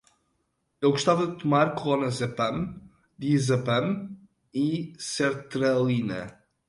Ele gostava de tomar clonazepam, diazepam e sertralina